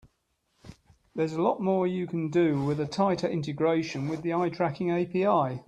There's a lot more you can do with a tighter integration with the eye tracking API.